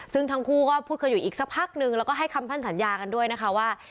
ซึ่งทั้งคู่ก็พูดกันอยู่อีกสักพักนึงแล้วก็ให้คำพันสัญญากันด้วยนะคะว่า